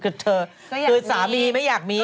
คือสามีไม่อยากมี